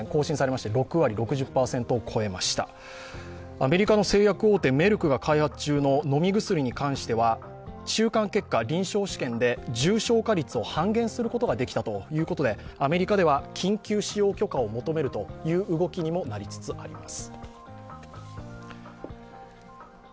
アメリカの製薬大手メルクが開発中の飲み薬に関しては、中間結果、臨床試験で重症化率を半減することができたということで、アメリカでは緊急使用許可を求めるという動きにもなりつつあります。